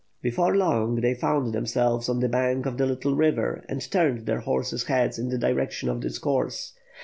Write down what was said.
Before long, they found themselves on the bank of the little river, and turned thir horses' heads in the direction of its course.